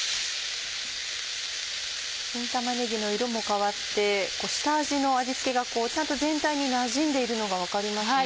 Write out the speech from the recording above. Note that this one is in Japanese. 新玉ねぎの色も変わって下味の味付けがちゃんと全体になじんでいるのが分かりますね。